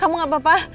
kamu gak apa apa